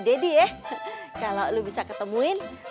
dedy ya kalau lu bisa ketemuin